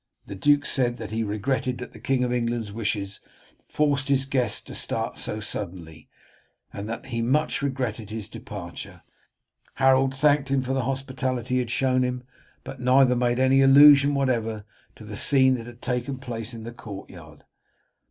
The duke said that he regretted that the King of England's wishes forced his guest to start so suddenly, and that he much regretted his departure. Harold thanked him for the hospitality he had shown him, but neither made any allusion whatever to the scene that had taken place in the courtyard.